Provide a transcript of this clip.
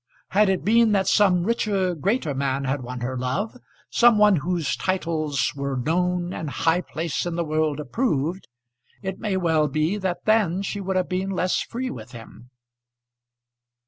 Had it been that some richer, greater man had won her love, some one whose titles were known and high place in the world approved, it may well be that then she would have been less free with him.